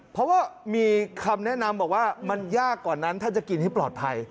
เพราะว่ามีคำแนะนำบอกว่ามันยากกว่านั้นถ้าจะกินให้ปลอดภัย